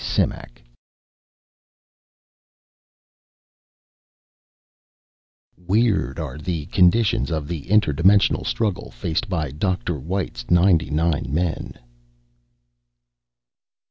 Simak Weird are the conditions of the interdimensional struggle faced by Dr. White's ninety nine men.